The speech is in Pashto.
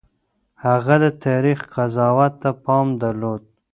هغه د تاريخ قضاوت ته پام درلود.